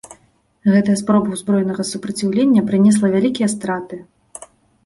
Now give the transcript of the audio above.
Гэтая спроба ўзброенага супраціўлення прынесла вялікія страты.